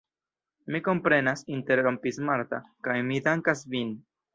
Mi komprenas, interrompis Marta, kaj mi dankas vin!